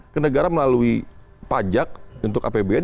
ke negara melalui pajak untuk apbn